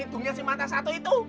hitungnya si mata satu itu